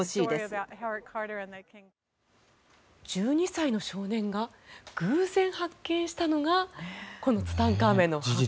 １２歳の少年が偶然発見したのがこのツタンカーメンの墓。